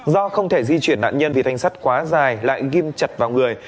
do không thể di chuyển nạn nhân vì thanh sắt quá dài lại nghiêm chặt vào người